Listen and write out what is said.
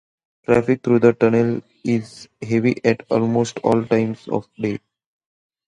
Traffic through the tunnels is heavy at almost all times of day.